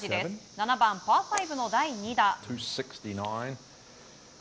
７番、パー５の第２打。